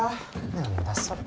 何だそれ。